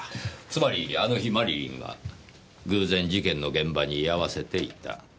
つまりあの日マリリンは偶然事件の現場に居合わせていた。